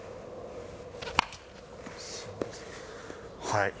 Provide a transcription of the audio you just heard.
はい。